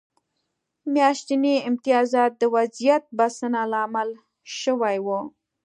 میاشتني امتیازات د وضعیت بسنه لامل شوي وو.